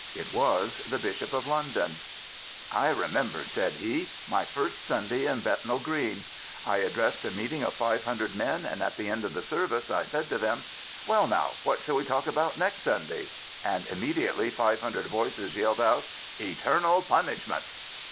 It was the Bishop of London. I remember,*' said he, " my first Sunday in Bethnal Green. I addressed a meeting of 500 men, and at the end of the service I said to them: ' Well, now, what shall we talk about next Sunday? * And immediately 500 voices yelled out :* Eternal punish ment.